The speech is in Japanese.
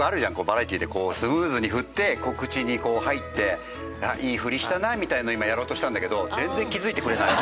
バラエティーでスムーズに振って告知に入っていいフリしたなみたいのを今やろうとしたんだけど全然気づいてくれない。